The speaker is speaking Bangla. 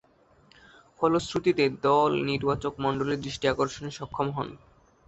ফলশ্রুতিতে, দল নির্বাচকমণ্ডলীর দৃষ্টি আকর্ষণে সক্ষম হন।